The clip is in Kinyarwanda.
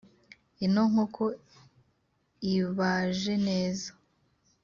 ino nkoko ibaje neza.